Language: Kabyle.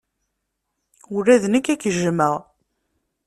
Ula d nekk ad k-jjmeɣ.